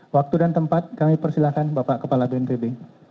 waktu dan tempat kami persilahkan bapak kepala bnpb